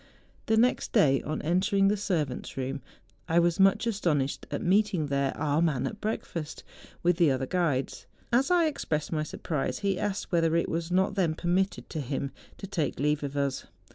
The next day, on entering the ser¬ vants' room, I was much astonished at meeting there our man at breakfast, with the other guides. As I expressed my surprise, he asked whether it was not then permitted to him to take leave of us.